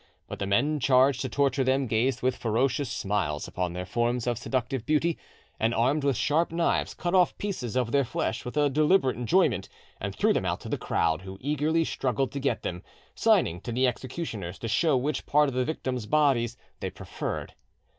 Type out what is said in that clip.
But the men charged to torture them gazed with ferocious smiles upon their forms of seductive beauty, and, armed with sharp knives, cut off pieces of their flesh with a deliberate enjoyment and threw them out to the crowd, who eagerly struggled to get them, signing to the executioners to show which part of the victims' bodies they preferred.